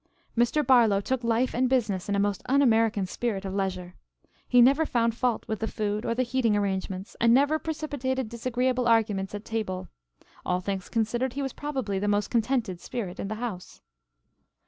Mr. Barlow took life and business in a most un American spirit of leisure. He never found fault with the food or the heating arrangements, and never precipitated disagreeable arguments at table. All things considered, he was probably the most contented spirit in the house.